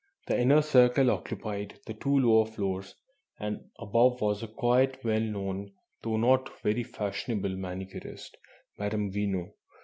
The Inner Circle occupied the two lower floors, and above was quite a well known, though not very fashionable, manicurist, Madame Veno.